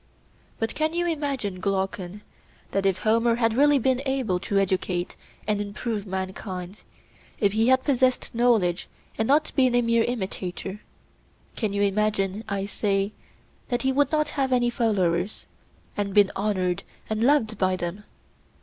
But can you imagine, Glaucon, that if Homer had really been able to educate and improve mankind—if he had possessed knowledge and not been a mere imitator—can you imagine, I say, that he would not have had many followers, and been honoured and loved by them?